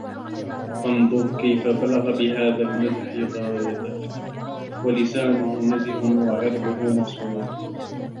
فَانْظُرْ كَيْفَ بَلَغَ بِهَذَا الْمَزْحَ غَايَتَهُ ، وَلِسَانُهُ نَزِهٌ ، وَعِرْضُهُ مَصُونٌ